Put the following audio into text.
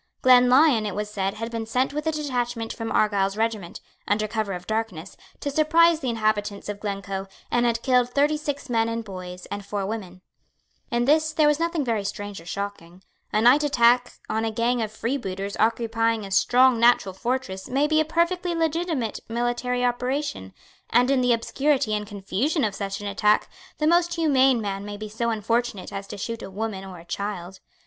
Glenlyon, it was said, had been sent with a detachment from Argyle's regiment, under cover of darkness, to surprise the inhabitants of Glencoe, and had killed thirty six men and boys and four women. In this there was nothing very strange or shocking. A night attack on a gang of freebooters occupying a strong natural fortress may be a perfectly legitimate military operation; and, in the obscurity and confusion of such an attack, the most humane man may be so unfortunate as to shoot a woman or a child.